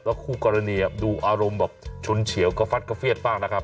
คู่กรณีดูอารมณ์แบบชุนเฉียวกระฟัดกระเฟียดมากนะครับ